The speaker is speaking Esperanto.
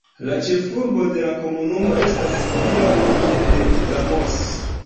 La ĉefurbo de la komunumo estas Villa de Ramos.